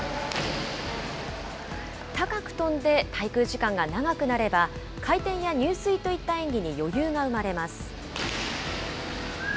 高く飛んで滞空時間が長くなれば、回転や入水といった演技に余裕が生まれます。